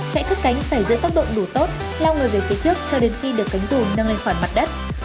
chạy cước cánh phải giữ tốc độ đủ tốt lao người về phía trước cho đến khi được cánh dù nâng lên khoảng mặt đất